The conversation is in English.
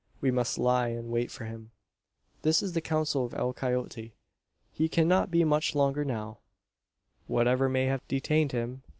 "We must lie in wait for him." This is the counsel of El Coyote. "He cannot be much longer now, whatever may have detained him.